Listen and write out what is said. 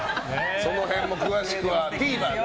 その辺も詳しくはＴＶｅｒで。